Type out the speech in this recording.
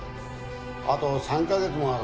あと３カ月もある。